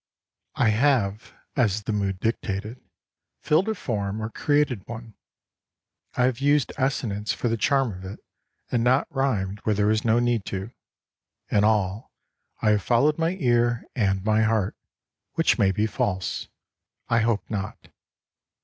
I have, as the mood dictated, filled a form or created one. I have used assonance for the charm of it, and not rhymed where there was no need to. In all, I have followed my ear and my heart, which may be false. I hope not.